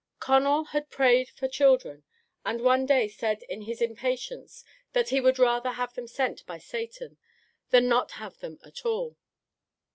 Conall had prayed for children, and one day said in his impatience that he would rather have them sent by Satan than not have them at all.